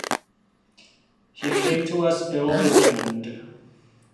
He came to us billed as an end.